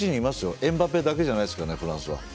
エムバペだけじゃないですからねフランスは。